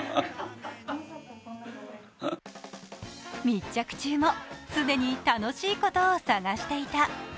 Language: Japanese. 密着中も、常に楽しいことを探していた。